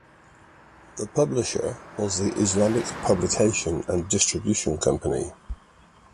The publisher was the Islamic Publication and Distribution Company.